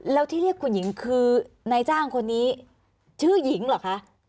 แล้วที่เรียกคุณหญิงคือนายจ้างคนนี้ชื่อหญิงเหรอคะ